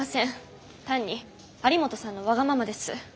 単に有本さんのわがままです。